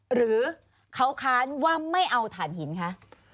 หรือเขาค้านว่าไม่เอาฐานหินคะ